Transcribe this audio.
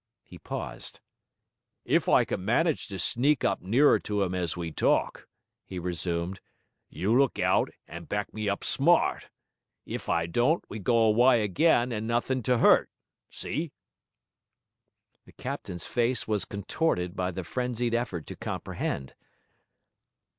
He paused. 'If I can manage to sneak up nearer to him as we talk,' he resumed, 'you look out and back me up smart. If I don't, we go aw'y again, and nothink to 'urt. See?' The captain's face was contorted by the frenzied effort to comprehend.